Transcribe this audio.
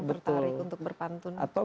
bertarik untuk berpantun